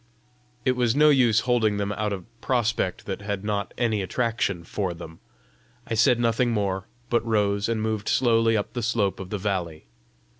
It was no use holding them out a prospect that had not any attraction for them! I said nothing more, but rose and moved slowly up the slope of the valley.